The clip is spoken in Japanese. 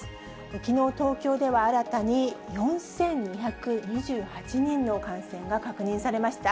きのう、東京では新たに４２２８人の感染が確認されました。